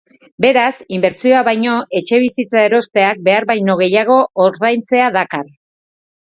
Beraz, inbertsioa baino, etxebizitza erosteak behar baino gehiago ordaintzea dakar.